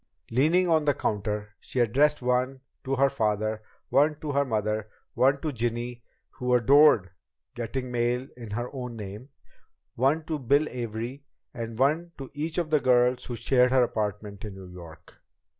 Leaning on the counter, she addressed one to her father, one to her mother, one to Ginny (who adored getting mail in her own name), one to Bill Avery, and one to each of the girls who shared her apartment in New York.